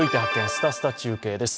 すたすた中継」です。